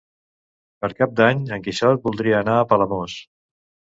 Per Cap d'Any en Quixot voldria anar a Palamós.